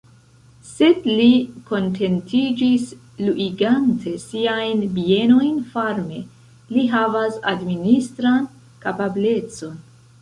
Sed li kontentiĝis luigante siajn bienojn farme: li havas administran kapablecon.